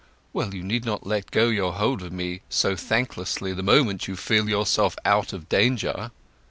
"Well, you need not let go your hold of me so thanklessly the moment you feel yourself out of danger."